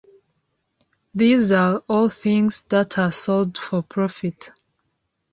These are all things that are sold for profit.